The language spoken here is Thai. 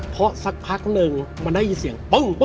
เพราะสักพักหนึ่งมันได้ยินเสียงปึ้ง